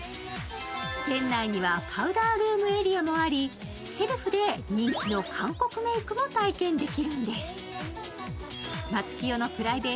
店内にはパウダールームエリアもあり、セルフで人気の韓国メイクも体験できるんです。